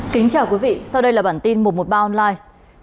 kính chào quý vị sau đây là bản tin một trăm một mươi ba online